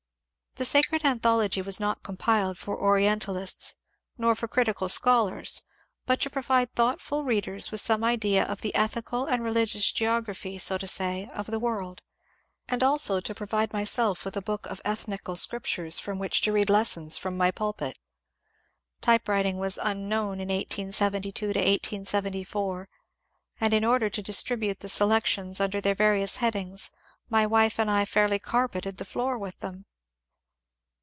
The " Sacred Anthology " was not compiled for Orientalists nor for critical scholars, but to provide thoughtful readers with some idea of the ethical and religious geography, so to say, of the world ; and also to provide myself with a book of ethnical scriptures from which to read lessons from my pul pit. Type writing was unknown in 1872 1874, and in order to distribute the selections under their various headings my wife and I fairly carpeted the floor with them.